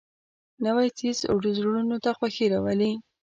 نوی څېز زړونو ته خوښي راولي